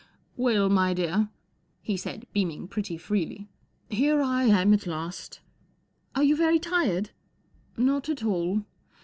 " Well, my dear," he said, beaming pretty freely, " here I am at last." " Are you very tired ?"" Not at all.